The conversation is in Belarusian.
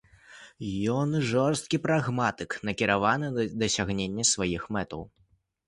Ён жорсткі прагматык, накіраваны на дасягненне сваіх мэтаў.